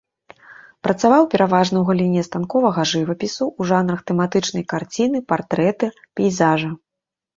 Працаваў пераважна ў галіне станковага жывапісу ў жанрах тэматычнай карціны, партрэта, пейзажа.